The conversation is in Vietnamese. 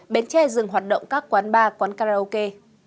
bến tre dừng hoạt động các quán bar quán karaoke